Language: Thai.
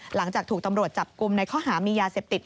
หลังจากถูกตำรวจจับกลุ่มในข้อหามียาเสพติด